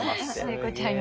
聖子ちゃんに。